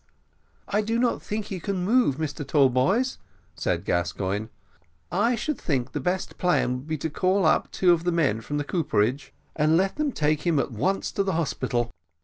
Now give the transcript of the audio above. "I do not think he can move, Mr Tallboys," said Gascoigne; "I should think the best plan would be to call up two of the men from the cooperage, and let them take him at once to the hospital."